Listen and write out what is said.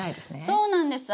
そうなんです。